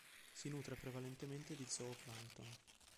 Si nutre prevalentemente di zooplancton.